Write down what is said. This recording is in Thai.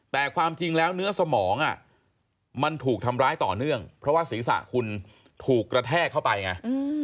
แต่ความจริงแล้วเนื้อสมองมันถูกทำร้ายต่อเนื่องเพราะว่าศีรษะคุณถูกกระแทกเข้าไปไง